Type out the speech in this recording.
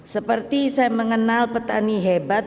seperti saya mengenal petani hebat